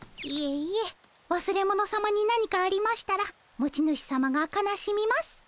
いえいえ忘れ物さまに何かありましたら持ち主さまがかなしみます。